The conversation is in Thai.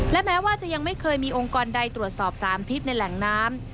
และแม้ว่าจะยังไม่เคยมีองค์กรใดตรวจสอบสารพิษในแหล่งน้ำ